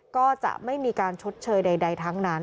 ก็จะไม่มีการชดเชยใดทั้งนั้น